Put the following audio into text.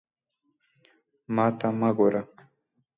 ما ته مه ګوره!